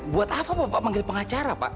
buat apa bapak manggil pengacara pak